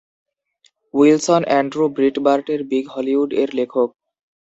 Wilson Andrew ব্রিটবার্টের "big হলিউড"-এর লেখক।